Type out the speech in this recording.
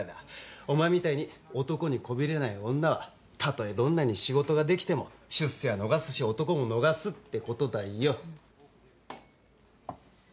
お前みたいに男にこびれない女はたとえどんなに仕事ができても出世は逃すし男も逃すってことだよ。